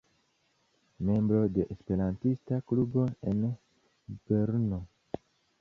Membro de Esperantista klubo en Brno.